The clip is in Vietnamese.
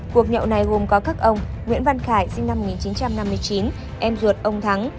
cuộc nhậu này gồm có các ông nguyễn văn khải sinh năm một nghìn chín trăm năm mươi chín em ruột ông thắng